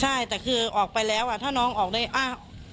ใช่แต่คือออกไปแล้วถ้าน้องออกได้อ้าง